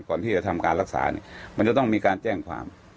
ก่อนที่จะทำการรักษาเนี่ยมันจะต้องมีการแจ้งความ